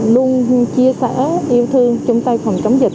luôn chia sẻ yêu thương chung tay phòng chống dịch